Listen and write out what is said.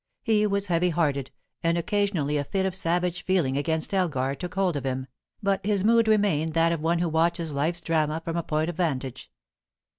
He was heavy hearted, and occasionally a fit of savage feeling against Elgar took hold of him, but his mood remained that of one who watches life's drama from a point of vantage.